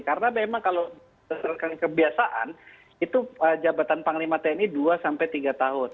karena memang kalau berdasarkan kebiasaan itu jabatan panglima tni dua sampai tiga tahun